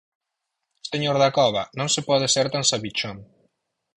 Señor Dacova, non se pode ser tan sabichón.